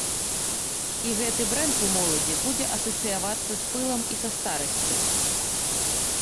І гэты брэнд у моладзі будзе асацыявацца з пылам і са старасцю.